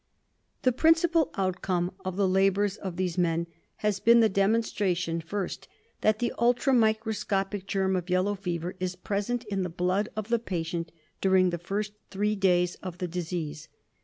The principal outcome of the labours of these men has been the demonstration, first, that the ultra micro scopic germ of yellow fever is present in the blood of the patient during the first three days of the disease.